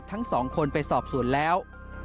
ทั้งสองคนไปสอบสวนแล้ว